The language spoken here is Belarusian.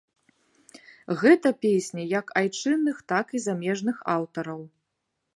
Гэта песні як айчынных, так і замежных аўтараў.